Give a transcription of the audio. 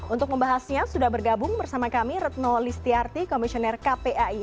untuk membahasnya sudah bergabung bersama kami retno listiarti komisioner kpai